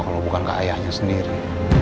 kalau bukan ke ayahnya sendiri